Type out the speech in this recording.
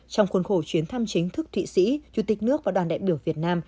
trong khuôn khổ chuyến thăm chính thức thụy sĩ chủ tịch nước và đoàn đại biểu việt nam